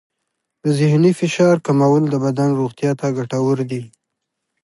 د ذهني فشار کمول د بدن روغتیا ته ګټور دی.